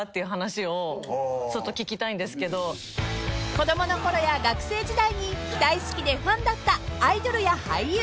［子供の頃や学生時代に大好きでファンだったアイドルや俳優］